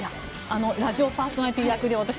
ラジオパーソナリティー役で。